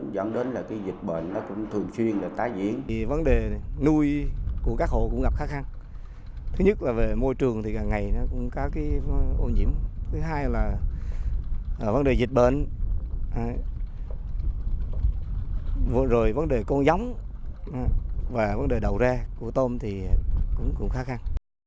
vấn đề dịch bệnh vấn đề con giống và vấn đề đầu ra của tôm thì cũng khá khăn